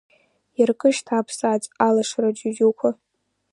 Иаркы шьҭа аԥсаӡ, алашара џьуџьуқәа.